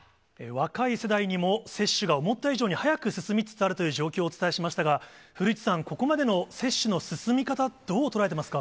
若い世代にも接種が思った以上に早く進みつつあるという状況をお伝えしましたが、古市さん、ここまでの接種の進み方、どう捉えてますか？